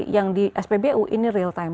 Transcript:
yang di spbu ini real time